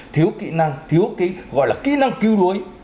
thiếu kỹ năng gọi là kỹ năng cứu đuối